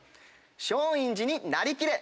松陰寺になりきれ！